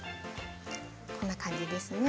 こんな感じですね。